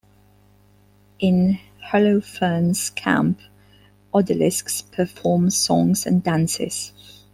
In Holofernes' camp, odalisques perform songs and dances.